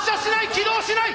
起動しない！